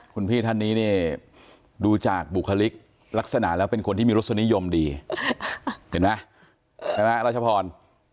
คุณพี่ท่านนี้เนี่ยดูจากบุคลิกลักษณะแล้วเป็นคนที่มีรสนิยมดีเห็นไหมใช่ไหมรัชพร